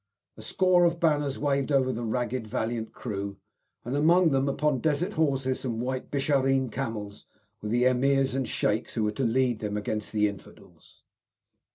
A score of banners waved over the ragged, valiant crew, and among them, upon desert horses and white Bishareen camels, were the Emirs and Sheiks who were to lead them against the infidels.